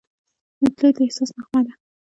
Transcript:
نجلۍ د احساس نغمه ده.